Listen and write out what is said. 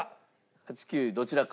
８９どちらか。